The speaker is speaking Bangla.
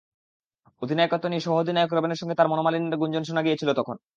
অধিনায়কত্ব নিয়ে সহ-অধিনায়ক রোবেনের সঙ্গে তাঁর মনোমালিন্যের গুঞ্জন শোনা গিয়েছিল তখন।